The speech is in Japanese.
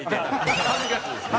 恥ずかしいんですね。